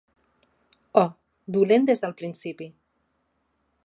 Oh, dolent des del principi.